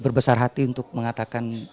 berbesar hati untuk mengatakan